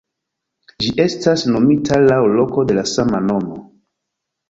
Ĝi estas nomita laŭ loko de la sama nomo.